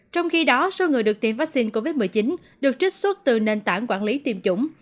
trong khi đó số người được tiêm vaccine covid một mươi chín được trích xuất từ nền tảng quản lý tiêm chủng